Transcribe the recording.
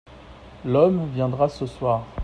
L'homme viendra ce soir.